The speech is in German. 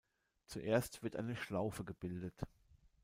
Zuerst wird eine Schlaufe gebildet.